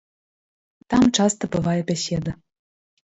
Там часта бывае бяседа.